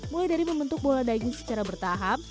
mulai dari membentuk bola daging secara bertahap